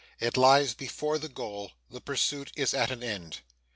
It lies before the goal; the pursuit is at an end.